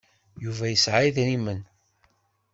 Yuba yesɛa idrimen.